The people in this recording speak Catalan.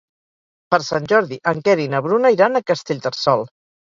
Per Sant Jordi en Quer i na Bruna iran a Castellterçol.